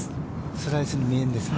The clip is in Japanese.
スライスに見えるんですね。